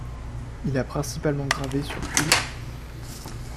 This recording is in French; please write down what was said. Il a principalement gravé sur cuivre.